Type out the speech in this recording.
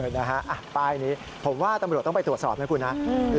นะฮะป้ายนี้ผมว่าตำรวจต้องไปตรวจสอบนะคุณนะ